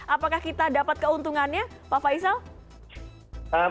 apakah kita dapat keuntungannya pak faisal